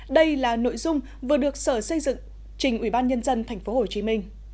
đây là nội dung vừa được sở xây dựng trình ubnd tp hcm